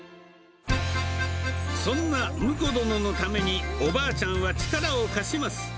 そんなむこ殿のために、おばあちゃんは力を貸します。